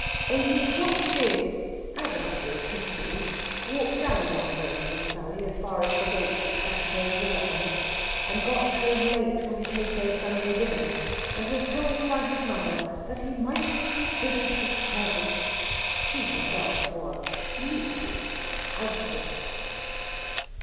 Only, the doctor did (as a matter of history) walk down that road with Sally as far as the gate with Krakatoa Villa on it, and got home late for his mid day Sunday dinner, and was told by his mother that he might have considered the servants. She herself was, meekly, out of it.